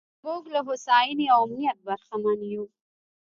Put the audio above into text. موږ له هوساینې او امنیت برخمن یو.